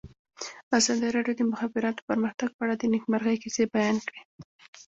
ازادي راډیو د د مخابراتو پرمختګ په اړه د نېکمرغۍ کیسې بیان کړې.